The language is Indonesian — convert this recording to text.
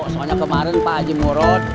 soalnya kemarin pa haji murun